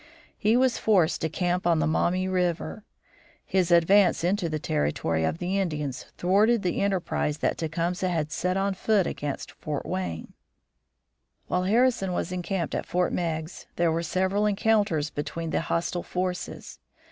He was forced to camp on the Maumee River. His advance into the territory of the Indians thwarted the enterprise that Tecumseh had set on foot against Fort Wayne. While Harrison was encamped at Fort Meigs there were several encounters between the hostile forces.